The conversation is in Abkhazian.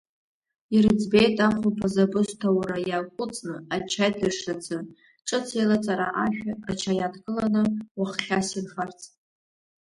Ирыӡбеит, ахәылԥазы абысҭаура иаҟәыҵны, ачаи дыршрацы, ҿыцеилаҵара ашә ача иадкыланы уаххьас ирфарц.